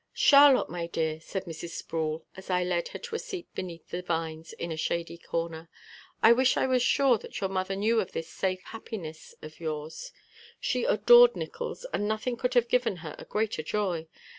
"Charlotte, my dear," said Mrs. Sproul, as I led her to a seat beneath the vines in a shady corner, "I wish I was sure that your mother knew of this safe happiness of yours. She adored Nickols and nothing could have given her a greater joy.